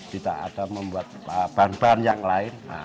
tidak ada membuat bahan bahan yang lain